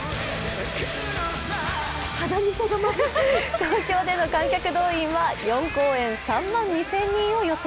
東京での観客動員は４公演３万２０００人を予定。